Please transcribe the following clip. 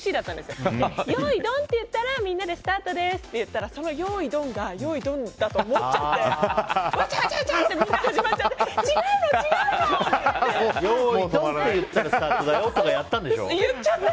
よーい、ドンって言ったらみんなでスタートですって言ったらそのよーい、ドンがよーい、ドンだと思っちゃってわちゃわちゃって始まっちゃって。